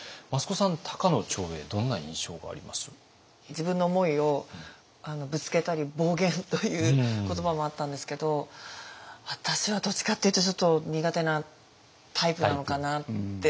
自分の思いをぶつけたり暴言という言葉もあったんですけど私はどっちかっていうとちょっと苦手なタイプなのかなって思いました。